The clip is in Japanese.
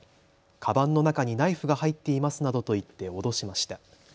かばんの中にナイフが入っていますなどと言って脅しました。